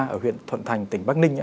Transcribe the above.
ở huyện thuận thành tỉnh bắc ninh